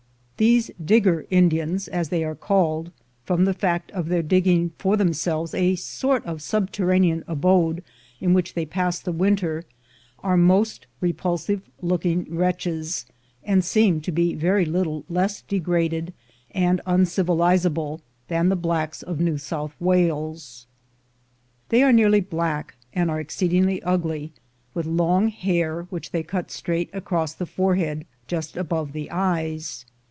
These Digger Indians, as they are called, from the fact of their digging for themselves a sort of subterranean abode in which they pass the winter, are most repulsive looking wretches, and seem to be very little less degraded and uncivilizable than the blacks of New South Wales. They are nearly black, and are exceedingly ugly, with long hair, which they cut straight across the forehead just above the eyes.